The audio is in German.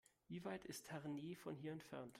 Wie weit ist Herne von hier entfernt?